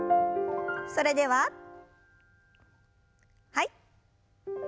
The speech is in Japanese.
それでははい。